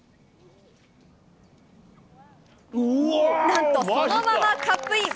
なんとそのままカップイン。